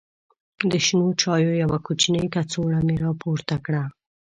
د شنو چایو یوه کوچنۍ کڅوړه مې راپورته کړه.